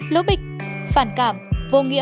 lốp bịch phản cảm vô nghĩa